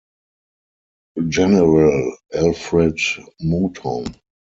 General Alfred Mouton.